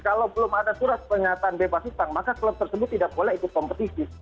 kalau belum ada surat pernyataan bebas utang maka klub tersebut tidak boleh ikut kompetisi